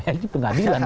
ya ini pengadilan